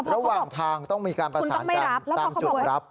ระหว่างทางต้องมีการประสานกันตามจุดรับ